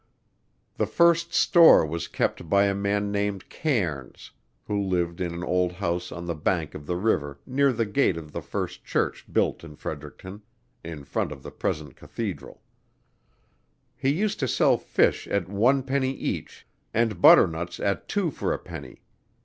The first store was kept by a man named Cairns, who lived in an old house on the bank of the river near the gate of the first Church built in Fredericton [in front of the present Cathedral]. He used to sell fish at one penny each and butternuts at two for a penny.